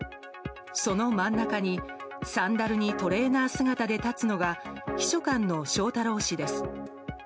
その真ん中に、サンダルにトレーナー姿で立つのが秘書官の翔太郎氏です。